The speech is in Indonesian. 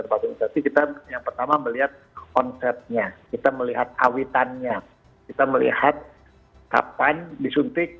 tempat investasi kita yang pertama melihat konsepnya kita melihat awitannya kita melihat kapan disuntik